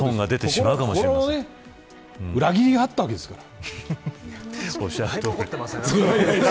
心の裏切りがあったわけですから。